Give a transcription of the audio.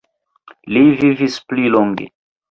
Li vivis pli longe.